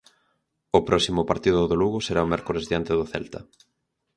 O próximo partido do Lugo será o mércores diante do Celta.